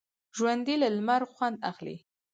ژوندي له لمر خوند اخلي